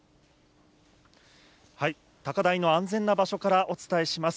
高台の安全な場所からお伝えします。